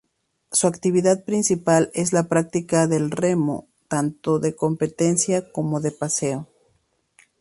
Su actividad principal es la práctica del remo tanto de competencia como de paseo.